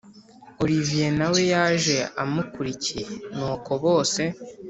olivier nawe yaje amukurikiye nuko bose